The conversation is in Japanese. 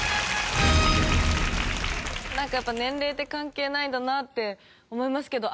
なんかやっぱ年齢って関係ないんだなって思いますけど。